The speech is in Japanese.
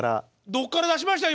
どっから出しました？